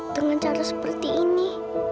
dengan cara seperti ini